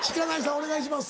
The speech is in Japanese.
お願いします。